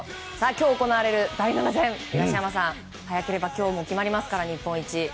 今日行われる第７戦東山さん早ければ今日決まります日本一が。